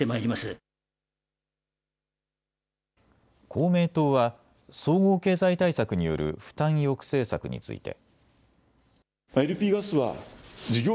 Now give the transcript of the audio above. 公明党は総合経済対策による負担抑制策について。